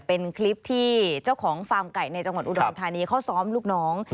เป็นคลิปที่เจ้าของฟาร์มไก่ในจังหวัดอุดรธานีเขาซ้อมลูกน้อง